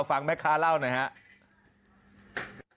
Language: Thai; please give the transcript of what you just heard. ฟังแม่ค้าเล่านะฮะ